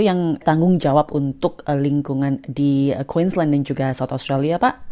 yang tanggung jawab untuk lingkungan di queensland dan juga south australia pak